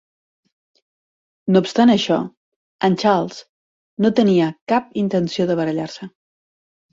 No obstant això, en Charles no tenia cap intenció de barallar-se.